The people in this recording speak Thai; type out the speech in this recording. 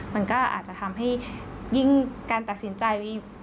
มันก็อาจจะทำให้ยิ่งการตัดสินใจ